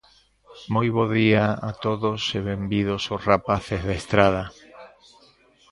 Moi bo día a todos e benvidos os rapaces da Estrada.